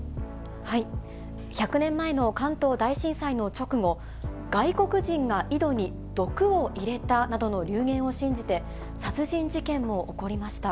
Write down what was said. １００年前の関東大震災の直後、外国人が井戸に毒を入れたなどの流言を信じて、殺人事件も起こりました。